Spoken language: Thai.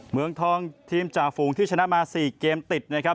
เมืองทองทีมจ่าฝูงที่ชนะมา๔เกมติดนะครับ